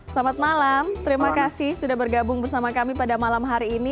selamat malam terima kasih sudah bergabung bersama kami pada malam hari ini